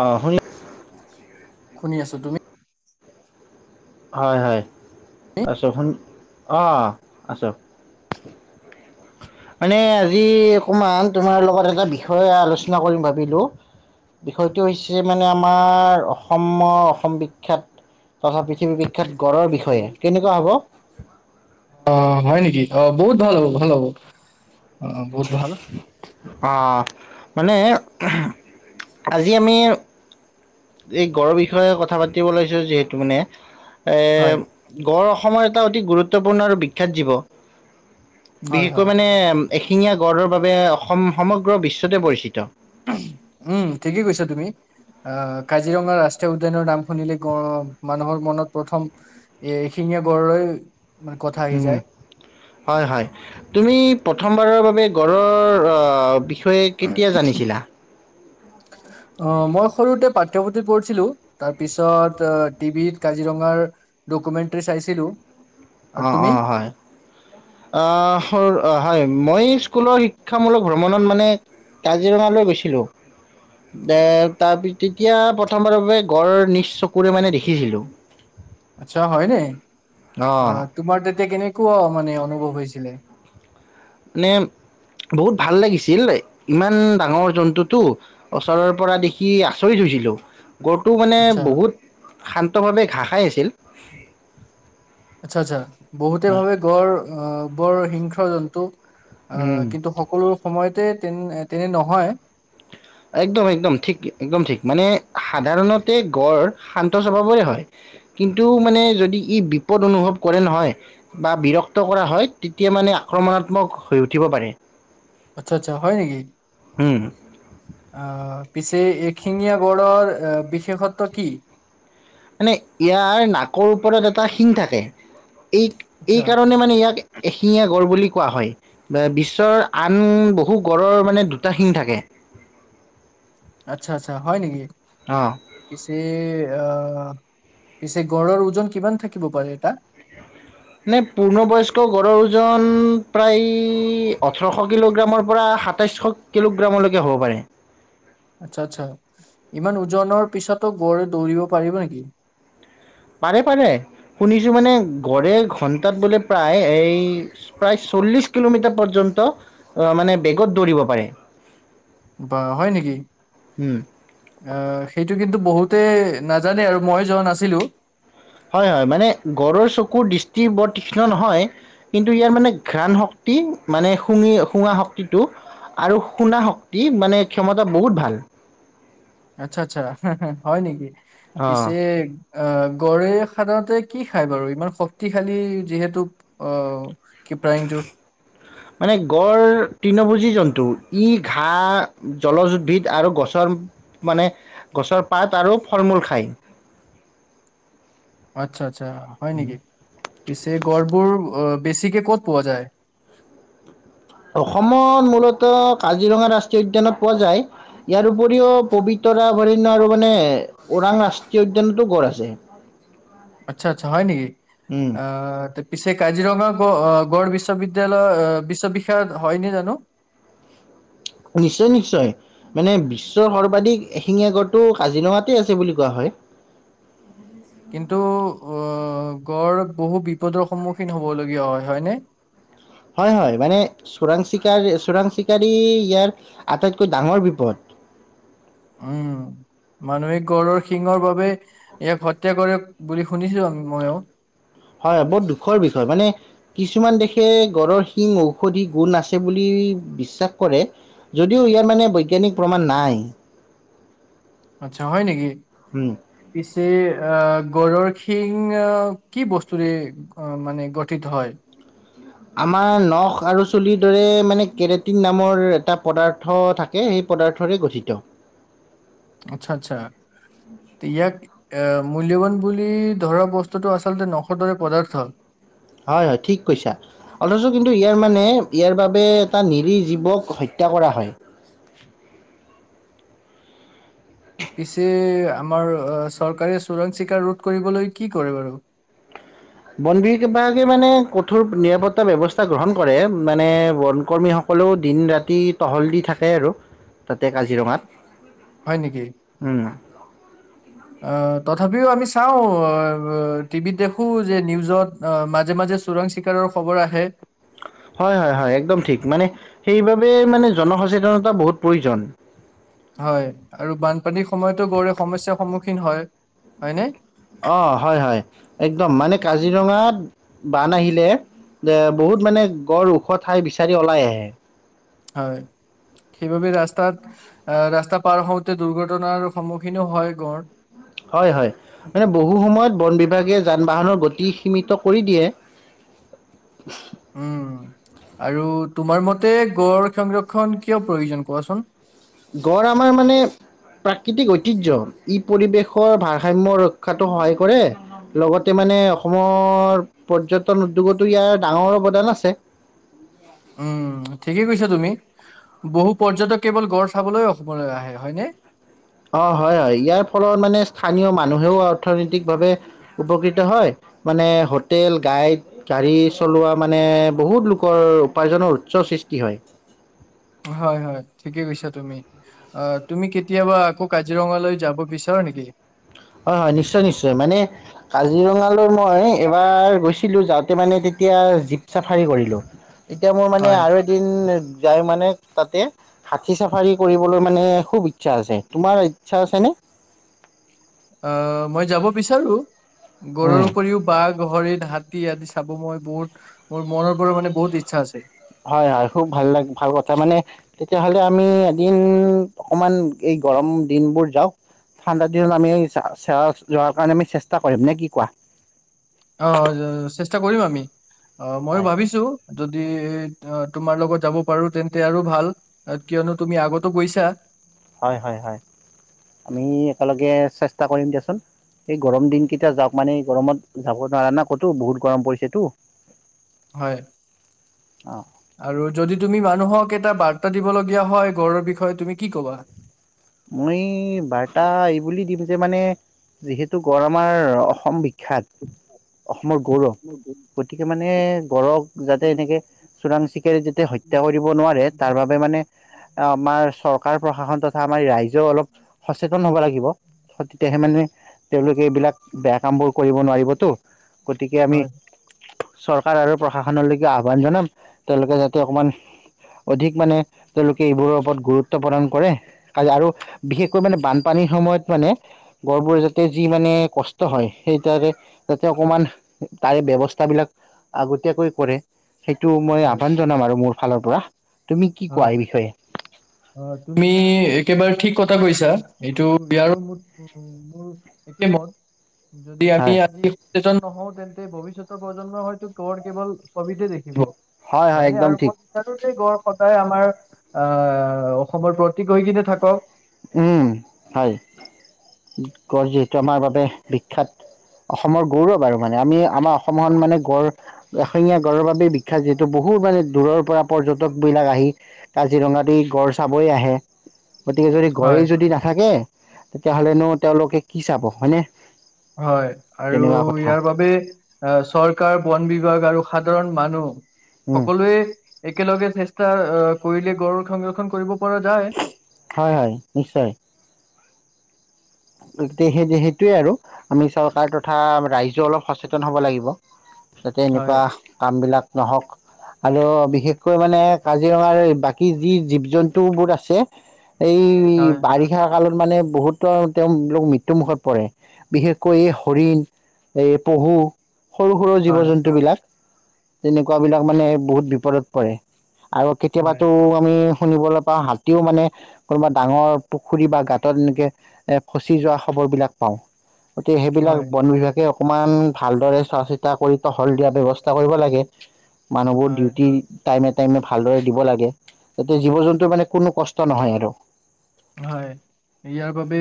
অ শুনি। শুমি আছো তুমি। হয় হয় আছকু অঁ আছক। মানে আজি অকণমান তোমাৰ লগত এটা বিষয় আলোচনা কৰিম ভাবিলোঁ বিষয়টো হৈছে মানে আমাৰ অসমৰ অসম বিখ্যাত তথা পৃথিৱী বিখ্যাত গঢড়ৰ বিষয়ে কেনেকুৱা হ'ব। অ হয় নেকি অ বহুত ভাল হ'ব ভাল হ'ব অ বহুত। ভাল অ মানে আজি আমি এই গড়ৰ বিষয়ে কথা পাতিব ললাইছো যিহেতু মানে। হয় গড় সময় এটা অতি গুৰুত্বপূৰ্ণ আৰু বিখ্যাত জীৱ। হয় বিশেষকৈ হয় মানে। এশিঙীয়া। গডৰ বাবে অসম সমগ্ৰ বিশ্বতে পৰিচিত। উম ঠিকেই কৈছা তুমি আহ কাজিৰঙা ৰাষ্ট্ৰীয় উদ্যানৰ নাম শুনিলে গ মানুহৰ মনত প্ৰথম এ এশিঙীয়া গড়ৈ। হয় হয় তুমি প্ৰথমবাৰৰ বাবে। গড়ৰ অ বিশষ। তে কেতিয়া জানিছিলা। মই সৰুতে পাঠ্যপুথিত পঢ়িছিলো তাৰ পিছত টিভিত কাজিৰঙাৰ ডকুমেন্টী চাইছিলো। আৰু অঁ তুমি অঁ হয় অ হয় মই স্কুলৰ শিক্ষামূলক ভ্ৰমণত মানে কাজিৰঙালৈ গৈছিলোঁ তাৰ তেতিয়া প্ৰথমবাৰৰ বাবে গড় নিজ চকুৰে মানে দেখিছিলোঁ আচ্ছা হয়নে অ তোমাৰ তেতিয়া কেনেক কেনেকুৱা মানে অনুভৱ হৈছিলে মানে বহুত ভাল লাগিছিল ইমান ডাঙৰ জন্তুটো ওচৰৰ পৰা দেখি আচৰিত হৈছিলোঁ গড়টো মানে আচ্ছা বহুত শান্তভাবে ঘাঁহ খাই আছিল আচ্ছা আচ্ছা বহুতে ভাবে গড় বৰ হিংস জন্তু অ উম। কিন্তু সকলো সময়ত তে তেনে নহয় একদম- একদম ঠিক- একদম ঠিক মানে সাধাৰণতে গড় শান্ত স্বভাৱৰে হয়। কিন্তু মানে যদি ই বিপদ অনুভৱ কৰে নহয় বা বিৰক্ত কৰা হয় তেতিয়া মানে আক্ৰমণাত্মক হৈ উঠিব পাৰে। আচ্ছা - আচ্ছা হয় নেকি? উম আহ, পিছে এশিঙীয়া গড়ৰ বিশেষত্ব কি? মানে ইয়াৰ নাকৰ ওপৰত এটা শিং থাকে। এই - আচ্ছা এই কাৰণে মানে ইয়াক এশিঙীয়া গড় বুলি কোৱা হয় বিশ্বৰ আন বহু গড়ৰ মানে দুটা শিং থাকে। আচ্ছা-আচ্ছা হয় নেকি? অ পিছে আহ। পিছে গড়ৰ ওজন কিমান থাকিব পাৰে এটা? নে পূৰ্ণবয়স্ক গড়ৰ ওজন প্ৰায় ওঠৰশ কিলোগ্ৰামৰ পৰা সাতাইচশ কিলোগ্ৰামলৈকে হ'ব পাৰে। আচ্ছা আচ্ছা ইমান ওজনৰ পিছতো গড় দৌৰিব পাৰিব নেকি? পাৰে -পাৰে শুনিছো মানে গড়ে ঘণ্টাত বোলে প্ৰায় এই প্ৰায় চল্লিশ কিলোমিটাৰ পৰ্যন্ত মানে বেগত দৌৰিব পাৰে। বা হয় নেকি উম আহ, সেইটো কিন্তু বহুত তে নাজানে আৰু মই যোৱা নাছিলো। হয়-হয় মানে গড়ৰ চকুৰ দৃষ্টি বৰ তীক্ষ্ণ নহয়। কিন্তু ইয়াৰ মানে ঘ্ৰাণ শক্তি মানে শুঙি শুঙা শক্তিটো আৰু শুনা শক্তি মানে ক্ষমতা বহুত ভাল। আচ্ছা - আচ্ছা হে - হে হয় নেকি? অঁ পিছে আহ, গড়ে সাধাৰণতে কি খায় বাৰু ইমান শক্তিশালী যিহেতু অহ কি প্ৰায় ইণ্টো। মানে গড় তৃণভোজী জন্তু ই ঘাহ জলজউদ্ভিদ আৰু গছৰ মানে গছৰ পাত আৰু ফল মূল খায়। আচ্ছা-আচ্চা। অচ্ছা হয় নেকি? পিছে গড়বোৰ অহ বেছি কে কত পোৱা যায়? অসমত মূলত কাজিৰঙা ৰাষ্ট্ৰীয় উদ্যানত পোৱা যায়। ইয়াৰ উপৰিও পবিতৰা অভয়াৰণ্য আৰু মানে ওৰাং ৰাষ্ট্ৰীয় উদ্যানতো গঢ় আছে। আচ্ছা - আচ্ছা হয় নেকি? উম, আহ, তে পিছে কাজিৰঙা গ গড় বিশ্ববিদ্যালয় বিশ্ববিষয়ক হয়নে জানো। নিশ্চয়-নিশ্চয় মানে বিশ্বৰ সৰ্বাধিক এশিঙীয়া গড় টো কাজিৰঙাতে আছে বুলি কোৱা হয়। কিন্তু আহ গড় বহু বিপদৰ সন্মুখীন হ'বলগীয়া হয় হয়নে? হয় - হয় মানে চোৰাং চিকাৰ -চোৰাং চিকাৰী ইয়াৰ আটাইতকৈ ডাঙৰ বিপদ। উম, মানুহিক গড়ৰ শিঙৰ বাবে ইয়াক হত্যা কৰে বুলি শুনিছো আমি মইও। হয় বহুত দুখৰ বিষয় মানে কিছুমান দেশে গড়ৰ শিং ঔষধি গুণ আছে বুলি বিশ্বাস কৰে। যদিও ইয়াৰ মানে বৈজ্ঞানিক প্ৰমাণ নাই। আচ্ছা হয় নেকি? উম, পিছে আহ, গৰুৰ শিং কি বস্তুৰে মানে গঠিত হয়। আমাৰ নখ আৰু চুলিৰ দৰে মানে কেৰেটিন নামৰ এটা পদাৰ্থ থাকে সেই পদাৰ্থৰে গঠিত। আচ্ছা - আচ্ছা ইয়াক এহ মূল্যৱান বুলি ধৰা বস্তুটো আচলতে নখৰ দৰে পদাৰ্থ। হয় - হয় ঠিক কৈছা, অথচ কিন্তু ইয়াৰ মানে ইয়াৰ বাবে এটা নিৰি জীৱক হত্যা কৰা হয়। পিছে আমাৰ চৰকাৰে চোৰাং চিকাৰ ৰোধ কৰিবলৈ কি কৰে বাৰু। বন বি বিভাগে মানে কঠোৰ নিৰাপত্তা ব্যৱস্থা গ্ৰহণ কৰে মানে বন কৰ্মীসকলেও দিন ৰাতি টহল দি থাকে আৰু তাতে কাজিৰঙাত। হয় নেকি। উম, আহ তথাপিও আমি চাওঁ টিভিত দেখো যে নিউজত মাজে মাজে চোৰাং চিকাৰৰ খবৰ আহে। হয়, হয়, হয় একদম ঠিক মানে সেইবাবে মানে জনসচেতনতা বহুত প্ৰয়োজন। হয় আৰু বানপানী। সময়তো গঁড়ে সমস্যাৰ সন্মুখীন হয় হয় ন। অ, হয় হয় একদম মানে কাজিৰঙাত বান আহিলে বহুত মানে গড় ওখ ঠাই বিচাৰি ওলাই আহে। হয় সেইবাবে ৰাস্তাত আহ ৰাস্তা পাৰ হওঁতে দুৰ্ঘটনাৰ সন্মুখীনো হয় গড়। হয় হয় মানে বহু সময়ত বন বিভাগে যান বাহনৰ গতি সীমিত কৰি দিয়ে। উম আৰু তোমাৰ মতে গড় সংৰক্ষণ কিয় প্ৰয়োজন কোৱাচোন। গড় আমাৰ মানে প্ৰাকৃতিক ঐতিহ্য ই পৰিৱেশৰ ভাৰসাম্য ৰক্ষাতো সহায় কৰে লগতে মানে অসমৰ পৰ্যটন উদ্যোগতো ইয়াৰ ডাঙৰ অৱদান আছে। উম ঠিকেই কৈছা তুমি বহু পৰ্যটক কেৱল গড় চাবলৈ অসমলৈ আহে হয়নে। অ, হয়-হয় ইয়াৰ ফলত মানে স্থানীয় মানুহেওঁ অৰ্থনৈতিকভাৱে উপকৃত হয় মানে হোটেল গাইড গাড়ী চলোৱা মানে বহুত লোকৰ উপাৰ্জনৰ উৎস সৃষ্টি হয় হয় হয় ঠিকে কৈছা তুমি তুমি কেতিয়াবা আকৌ কাজিৰঙালৈ যাব বিচাৰা নেকি। হয়- হয় নিশ্চয়, নিশ্চয় মানে কাজিৰঙালৈ মই এবাৰ গৈছিলো যাওঁতে মানে তেতিয়া জীপ চাফাৰী কৰিলো। এতিয়া মোৰ মানে হয় আৰু এদিন। যাই মানে তাতে হাতি চাফাৰী কৰিবলৈ মানে খুব ইচ্ছা আছে তোমাৰ ইচ্ছা আছেনে। আহ মই যাব বিচাৰো। উম। গড়ৰ উপৰিও বাঘ। হাতী আদি চাব মই বহুত মোৰ মনৰ পৰা মানে বহুত ইচ্ছা আছে। হয় হয় খুব ভাল ল ভাল কথা মানে তেতিয়াহলে আমি এদিন অকমান এই গৰম দিনবোৰ যাওঁ ঠাণ্ডা দিনত আমি যোৱাৰ কাৰণে চেষ্টা কৰিম ন কি কোৱা? অঁ চেষ্টা কৰিম আমি। অঁ মইও হয় ভাবিছো যদি আহ তোমাৰ লগত যাব পাৰো তেন্তে আৰু ভাল কিয়নো তুমি আগতো গৈছা। হয়, হয়, হয় আমি একেলগে চেষ্টা কৰিম দিয়াচোন এই গৰম দিনকেইটা যাওঁক মানে গৰমত যাব নোৱাৰা ন ক'তো বহুত গৰম পৰিছেতো হয় অ আৰু যদি তুমি মানুহক এটা বাৰ। টা দিব লগগীয়া হয় ঘৰৰ বিষয়ে তুমি কি ক'বা মই বাৰ্তা এইবুলি দিম যে মানে যিহেতু গড় আমাৰ অসম বি বিখ্যাত অসমৰ গৌৰৱ, গতিকে মানে গড় ক যাতে এনেকৈ চুৰাং চিকাৰ যে। হত্যা কৰিব নোৱাৰে তাৰ বাবে মানে- আমাৰ চৰকাৰ প্ৰশাসন তথা আমাৰ ৰাইজেওঁ অলপ সচেতন হ'ব লাগিব। তেতিয়াহে মানে তেওঁলোকে এইবিলাক বেয়া কাম বোৰ কৰিব নোৱাৰিবতো। গতিকে আমি। হয় চৰকাৰ আৰু প্ৰশাসনলৈকে আহ্বান জনাম তেওঁলোকে যাতে অকণমান অধিক মানে তেওঁলোকে এইবোৰৰ ওপৰত গুৰুত্ব প্ৰদান কৰে। আৰু বিশেষকৈ মানে বানপানীৰ সময়ত মানে গড়বোৰ যাতে যি মানে কষ্ট হয়। সেই তাৰে যাতে অকমান তাৰে ব্যৱস্থাবিলাক আগতীয়াকৈ কৰে। সেইটো মই হয় আহ্বান জনাম আৰু মোৰ। ফালৰ পৰা। তুমি কি কোৱা হয় এই বিষয়ে অঁ তুমি একেবাৰে ঠিক কথা কৈছা এইটো দিয়াৰো ম মোৰ একে মন। যদি আমি হয় আজি। সচেতন নহও তেন্তে ভৱিষ্যতৰ প্ৰজন্মই হয়তো গড় কেৱল ছবিতে দেখিব হয় নে আৰু প্ৰতিটো ড়গ আমাৰ আহ অসমৰ প্ৰতিক গৈ কিনে থাকক হয় গঁড় যিহেতু আমাৰ বাবে বিখ্যাত অসমৰ গৌৰৱ আৰু মানে আমি আমাৰ অসমখন মানে গঁড় এশঙীয়া গড়ৰ বাব বিখ্যাত যিহেতু বহুত মানে দূৰৰ পৰা পৰ্যটকবিলাক আহি কাজিৰঙাতে গড় চাবই আহে গতিকে যদি। গড়ে হয় যদি নাথাকে তেতিয়াহ'লেনো তেওঁলোকে কি চাব হয়নে হয় আৰু তেনেকুৱা কথা ইয়াৰ বাবে চৰকাৰ বন বিভাগ বিভাগ আৰু সাধাৰণ মানুহ উম সকলোৱে একেলগে চেষ্টা কৰিলে গড়ৰ সংৰক্ষণ কৰিব পৰা যায় হয় হয় নিশ্চয় গতি সেই সেইটোৱে আৰু আমি চৰকাৰ তথা ৰাইজে অলপ সচেতন হ'ব লাগিব যাতে হয় এনেকুৱা কামবিলাক নহওক আৰু বিশেষকৈ মানে কাজিৰঙাৰ বাকী যি জীৱ জন্তুবোৰ আছে এই হয় বাৰিষা কালত মানে বহুতৰ তেওঁলোক মৃত্যুমুখত পৰে বিশেষকৈ এই হৰিণ এই পহু সৰু সৰু জীৱ হয় জন্তুবিলাক তেনেকুৱা বিলাক মানে বহুত বিপদত পৰে আৰু হয় কেতিয়াবাতো আমি। শুনিবলৈ পাওঁ হাতীও মানে কোনোবা ডাঙৰ পুখুৰী বা গাঁতত এনেকে এ। ফচি যোৱা খবৰবিলাক পাওঁ গতিকে সেইবিলাক হয় বন বিভাগে। অকণমান ভালদৰে চোৱা চিতা কৰি টহল দিয়াৰ ব্যৱস্থা কৰিব লাগে। মানুহবোৰ হয় ডিউটি টাইমে টাইমে ভালদৰে দিব লাগে তেতিয়া জীৱ জন্তুৰ মানে কোনো কষ্ট নহয় আৰু- হয় ইয়াৰ বাবে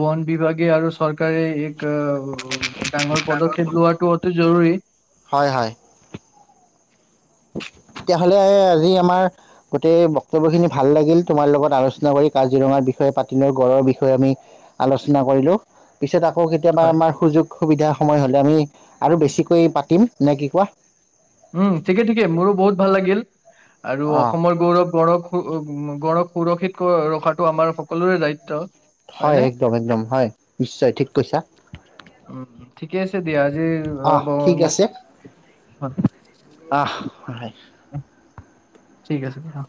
বন বিভাগে আৰু চৰকাৰে এক- উ ডাঙৰ পদক্ষেপ লোৱাটো অতি জৰুৰী- হয় হয় তেতিয়াহ'লে আজি আমাৰ গোটেই বক্তব্য খিনি ভাল লাগিল তোমাৰ লগত আলোচনা কৰি কাজিৰঙাৰ বিষয়ে পাতিলো গড়ৰ বিষয়ে আমি আলোচনা কৰিলো পিছত আকৌ কেতিয়াবা হয় আমাৰ সুযোগ সুবিধা সময় হলে আমি আৰু বেছিকৈ পাতিম নে কি কোৱা উম ঠিকে ঠিকে মোৰো বহুত ভাল লাগিল আৰু অ অসমৰ গৌৰৱ গ়ক গ়ৌৰৱ সুৰক্ষিত ৰখাতটো আমাৰ সকলোৰে দায়িত্ব হয় হয়নে একদম একদম হয় নিশ্চয় ঠিক কৈছা উ ঠিকে আছে দিয়া আজি আহ ঠিক মোক আছে আহ হয় ঠিক আছে দিয়া।